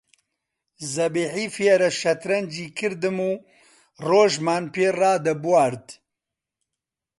زەبیحی فێرە شەترەنجی کردم و ڕۆژمان پێ ڕادەبوارد